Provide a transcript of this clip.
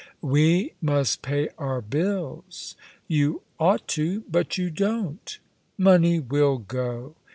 "We must pay our bills." "You ought to, but you don't." "Money will go."